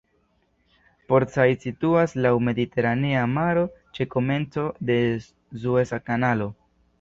Port Said situas laŭ Mediteranea Maro ĉe komenco de Sueza Kanalo.